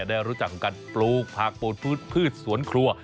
ได้รู้จักจากการปลูกผักโพธิภือสวนครัว